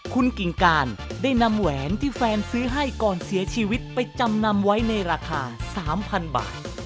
คุณกิ่งการได้นำแหวนที่แฟนซื้อให้ก่อนเสียชีวิตไปจำนำไว้ในราคา๓๐๐๐บาท